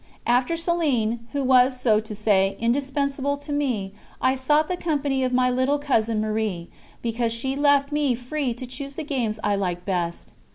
After Céline, who was, so to say, indispensable to me, I sought the company of my little cousin Marie, because she left me free to choose the games I liked best.